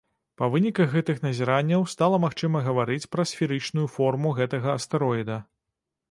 Па выніках гэтых назіранняў стала магчыма гаварыць пра сферычную форму гэтага астэроіда.